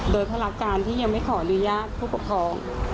โดยภารการที่ยังไม่ขออนุญาตผู้ปกครอง